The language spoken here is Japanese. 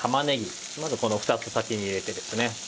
まずこの２つ先に入れてですね